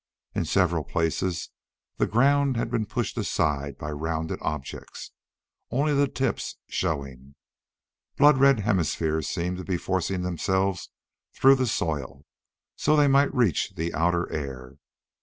In several places the ground had been pushed aside by rounded objects, only the tips showing. Blood red hemispheres seemed to be forcing themselves through the soil, so they might reach the outer air.